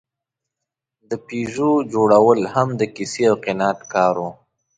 د پيژو جوړول هم د کیسې او قناعت کار و.